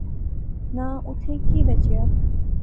ناں اوتھیں کی بچیا